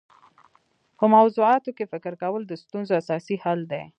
په موضوعاتو کي فکر کول د ستونزو اساسي حل دی.